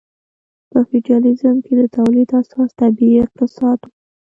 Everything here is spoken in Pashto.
په فیوډالیزم کې د تولید اساس طبیعي اقتصاد و.